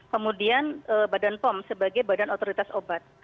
kemudian badan pom sebagai badan otoritas obat